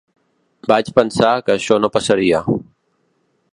Vaig pensar que això no passaria.